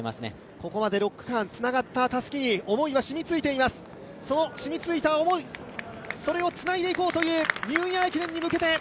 ここまで６区間つながったたすきに思いは染み付いています、その染みついた思いをつないでいこうというニューイヤー駅伝に向けて。